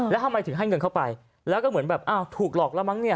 แล้วทำไมถึงให้เงินเข้าไปแล้วก็เหมือนแบบอ้าวถูกหลอกแล้วมั้งเนี่ย